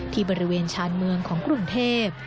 ที่บริเวณชานเมืองของกรุงเทพ